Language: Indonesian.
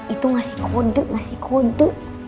itu ngasih kode ngasih kode